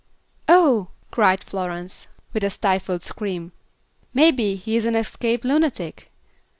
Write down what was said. "Oh!" cried Florence, with a stifled scream, "maybe he is an escaped lunatic.